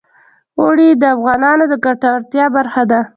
اوړي د افغانانو د ګټورتیا برخه ده.